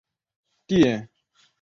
殿试登进士第三甲第六十一名。